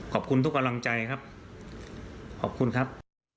ขอบคุณทุกกำลังใจครับขอบคุณครับ